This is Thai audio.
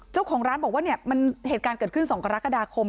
เจ้าของร้านบอกว่าเนี่ยมันเหตุการณ์เกิดขึ้น๒กรกฎาคม